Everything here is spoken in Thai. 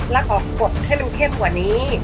เราก็กดให้มันเทียบกว่านี้